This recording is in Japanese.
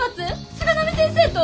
菅波先生と！？